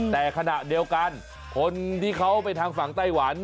แต่ขณะเดียวกันคนที่เขาไปทางฝั่งไต้หวัน